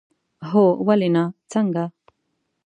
هو، ولې نه، څنګه؟